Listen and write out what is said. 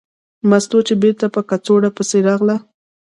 مستو چې بېرته په کڅوړه پسې راغله.